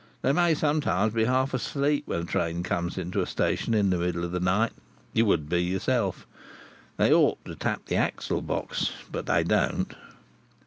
They may sometimes be half asleep when a train comes into a station in the middle of the night. You would be yourself. They ought to tap the axle box, but they don't.